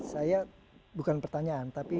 saya bukan pertanyaan tapi